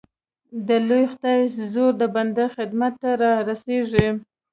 د لوی خدای زور د بنده خدمت ته را رسېږي.